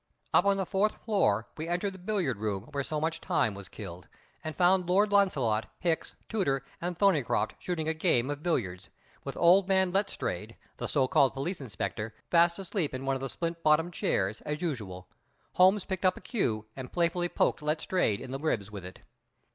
Up on the fourth floor we entered the billiard room where so much time was killed, and found Lord Launcelot, Hicks, Tooter, and Thorneycroft shooting a game of billiards, with old man Letstrayed, the so called police inspector, fast asleep in one of the splint bottomed chairs, as usual. Holmes picked up a cue, and playfully poked Letstrayed in the ribs with it.